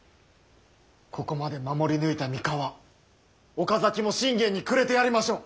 ここまで守り抜いた三河岡崎も信玄にくれてやりましょう。